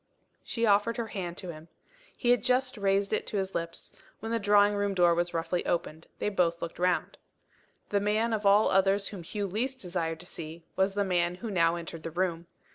She offered her hand to him. He had just raised it to his lips when the drawing room door was roughly opened. They both looked round. The man of all others whom Hugh least desired to see was the man who now entered the room.